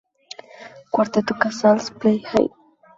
Cuarteto Casals play Haydn.